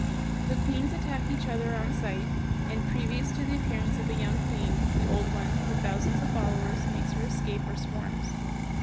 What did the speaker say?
The queens attack each other on sight, and previous to the appearance of a young queen the old one, with thousands of followers, makes her escape, or swarms.